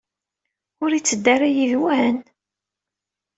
Ur yetteddu ara yid-wen?